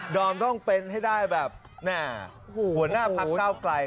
อมต้องเป็นให้ได้แบบหัวหน้าพักเก้าไกล